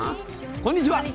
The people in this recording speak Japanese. こんにちは。